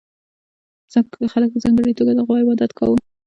خلکو په ځانګړې توګه د غوا عبادت کاوه